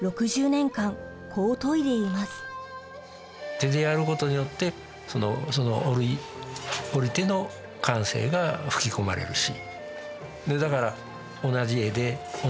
手でやることによってその織り手の感性が吹き込まれるし。